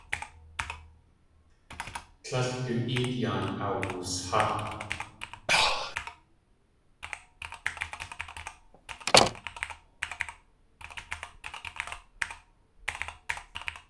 Tlél du éet yaan awus.há.